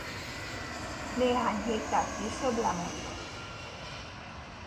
Néhány héttel később lemondott.